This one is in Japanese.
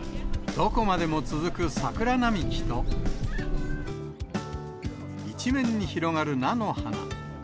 どこまでも続く桜並木と、一面に広がる菜の花。